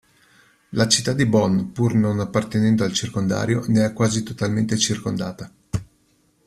La città di Bonn, pur non appartenendo al circondario, ne è quasi totalmente circondata.